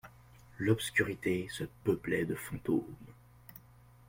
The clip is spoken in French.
L'obscurité se peuplait de fantômes.